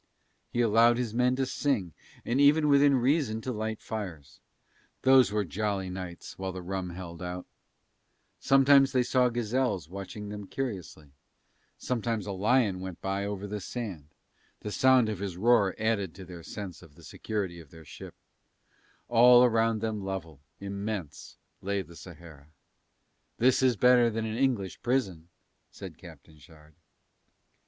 He allowed his men to sing and even within reason to light fires. Those were jolly nights while the rum held out; sometimes they saw gazelles watching them curiously, sometimes a lion went by over the sand, the sound of his roar added to their sense of the security of their ship; all round them level, immense lay the Sahara: "This is better than an English prison," said Captain Shard.